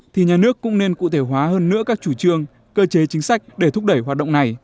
thì nhà nước cũng nên cụ thể hóa hơn nữa các chủ trương cơ chế chính sách để thúc đẩy hoạt động này